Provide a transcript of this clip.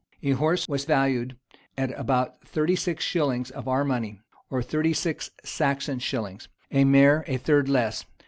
A horse was valued at about thirty six shillings of our money, or thirty Saxon shillings;[] a mare a third less.